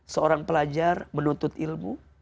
seorang pelajar menuntut ilmu